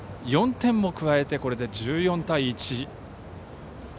４点も加えて１４対１。